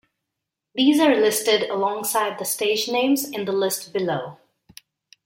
These are listed alongside the stage names in the list below.